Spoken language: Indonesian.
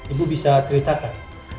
ibu bisa ceritakan